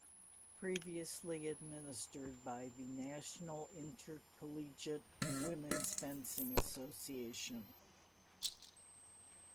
Previously administered by the National Intercollegiate Women's Fencing Association.